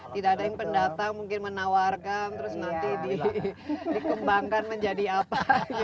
tidak ada yang pendatang mungkin menawarkan terus nanti dikembangkan menjadi apa